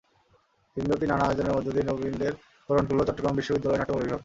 দিনব্যাপী নানা আয়োজনের মধ্য দিয়ে নবীনদের বরণ করল চট্টগ্রাম বিশ্ববিদ্যালয়ের নাট্যকলা বিভাগ।